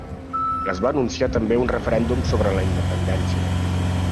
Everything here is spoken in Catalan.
Es va anunciar també un referèndum sobre la independència.